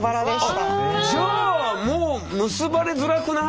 じゃあもう結ばれづらくない？